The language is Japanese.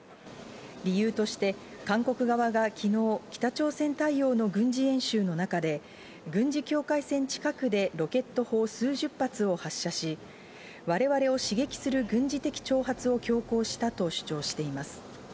理由として韓国側が昨日、北朝鮮対応の軍事演習の中で軍事境界線近くでロケット砲数十発を発射し、我々を刺激する軍事的挑発を強行したと主張しています。